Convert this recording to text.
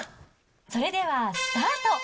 それではスタート。